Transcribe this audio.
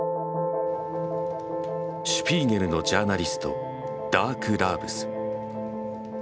シュピーゲルのジャーナリストダーク・ラーブス。